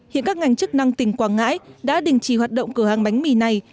hiện các ngành chức năng tỉnh quảng ngãi đã đình chỉ hoạt động cửa hàng bánh mì này